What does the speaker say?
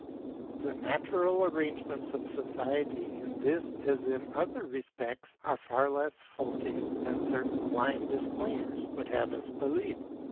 The natural arrangements of society in this as in other respects are far less faulty than certain blind declaimers would have us believe.